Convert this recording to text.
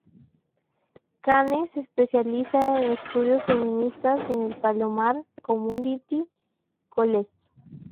Kane se especializa en estudios feministas en el Palomar Community College.